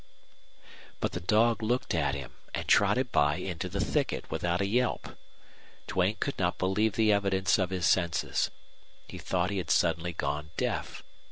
But the dog looked at him and trotted by into the thicket without a yelp. Duane could not believe the evidence of his senses. He thought he had suddenly gone deaf.